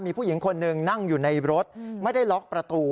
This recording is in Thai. มีผู้หญิงคนหนึ่งนั่งอยู่ในรถไม่ได้ล็อกประตู